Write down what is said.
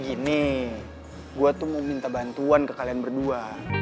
gini gue tuh mau minta bantuan ke kalian berdua